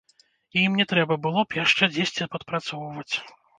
І ім не трэба было б яшчэ дзесьці падпрацоўваць.